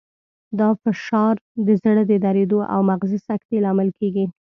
دا فشار د زړه د دریدو او مغزي سکتې لامل کېږي.